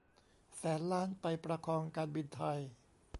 แสนล้านไปประคองการบินไทย